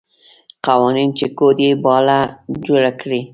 قوانین چې کوډ یې باله جوړ کړي.